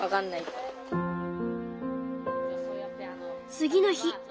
次の日。